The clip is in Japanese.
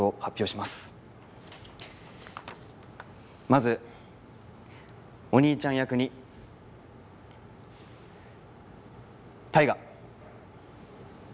まずお兄ちゃん役に大我！